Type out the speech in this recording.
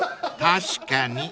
［確かに］